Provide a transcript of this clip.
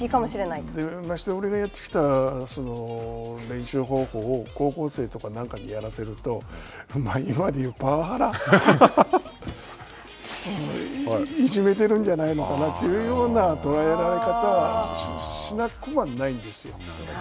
俺がやってきた練習方法を高校生とかなんかにやらせると今で言うパワハラ、いじめてるんじゃないのかなというような捉えられ方をしなくもななるほど。